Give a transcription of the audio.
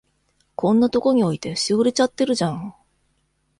こんなとこに置いて、しおれちゃってるじゃん。